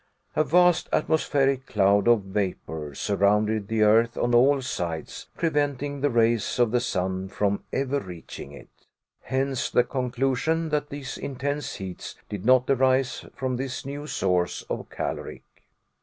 A vast atmospheric cloud of vapor surrounded the earth on all sides, preventing the rays of the sun from ever reaching it. Hence the conclusion that these intense heats did not arise from this new source of caloric.